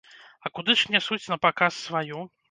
А куды ж нясуць напаказ сваю?